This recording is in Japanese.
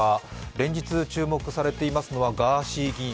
連日、注目されているのはガーシー議員。